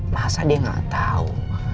masa dia gak tau